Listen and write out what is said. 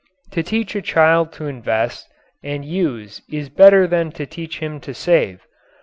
To teach a child to invest and use is better than to teach him to save.